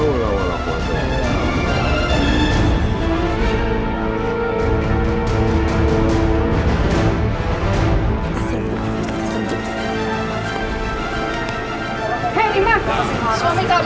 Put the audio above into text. hei wimah suami kamu punya apa